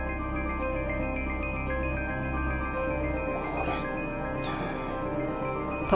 これって。